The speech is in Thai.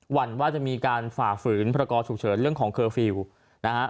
วันว่าจะมีการฝ่าฝืนพรกรฉุกเฉินเรื่องของเคอร์ฟิลล์นะฮะ